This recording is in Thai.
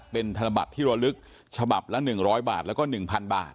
เป็นธนบัตรที่รอลึกฉบับละหนึ่งร้อยบาทแล้วก็หนึ่งพันบาท